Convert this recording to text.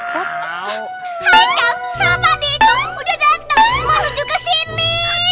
hai kalopade itu udah dateng mau menuju kesini